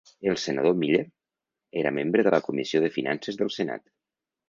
El senador Miller era membre de la Comissió de Finances del Senat.